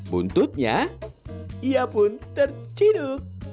buntutnya ia pun terciduk